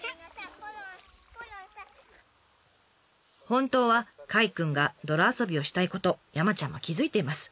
本当はカイくんが泥遊びをしたいこと山ちゃんも気付いています。